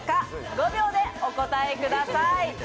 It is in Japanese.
５秒でお答えください。